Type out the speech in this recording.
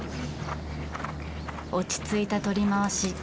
落ち着いた取り回し。